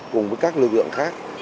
cùng với các lực lượng khác